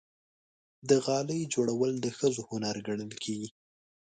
د غالۍ جوړول د ښځو هنر ګڼل کېږي.